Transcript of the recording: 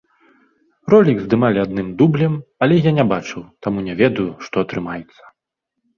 Ролік здымалі адным дублем, але я не бачыў, таму не ведаю, што атрымаецца.